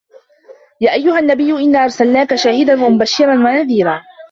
يا أَيُّهَا النَّبِيُّ إِنّا أَرسَلناكَ شاهِدًا وَمُبَشِّرًا وَنَذيرًا